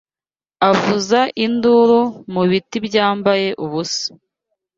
avuza induru mu biti byambaye ubusa